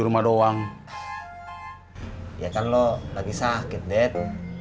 rumah doang ya kalau lagi sakit det